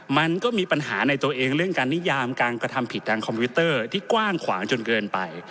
มันก็มีปัญหาในตัวเองเรื่องการนิยามการกระทำผิดทางคอมพิวเตอร์ที่กว้างขวางจนเกินไป